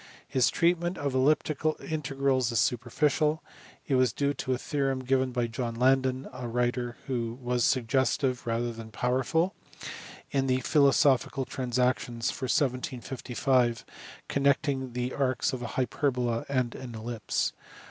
His treatment of elliptic integrals is superficial ; it was due to a theorem given by John Landeri a writer who was suggestive rather than powerful in the Philosophical Transactions for 1755 connecting the arcs of a hyperbola and an ellipse.